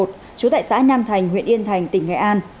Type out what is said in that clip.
trú tại xã nam thành huyện yên thành tỉnh nghệ an